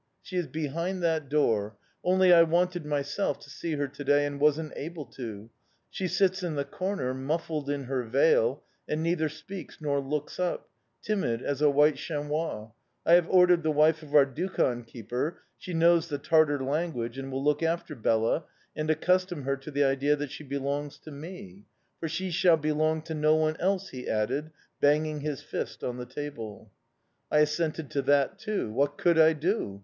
"'She is behind that door. Only I wanted, myself, to see her to day and wasn't able to. She sits in the corner, muffled in her veil, and neither speaks nor looks up timid as a wild chamois! I have hired the wife of our dukhan keeper: she knows the Tartar language, and will look after Bela and accustom her to the idea that she belongs to me for she shall belong to no one else!' he added, banging his fist on the table. "I assented to that too... What could I do?